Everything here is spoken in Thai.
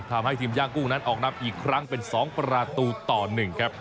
ทำให้ทีมย่างกุ้งนั้นออกนำอีกครั้งเป็น๒ประตูต่อ๑ครับ